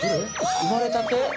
生まれたて？